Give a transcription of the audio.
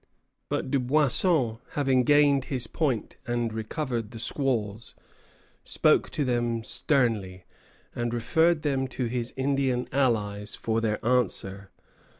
But Dubuisson, having gained his point and recovered the squaws, spoke to them sternly, and referred them to his Indian allies for their answer.